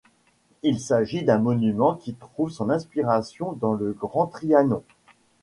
Il s'agit d'un monument qui trouve son inspiration dans le Grand Trianon.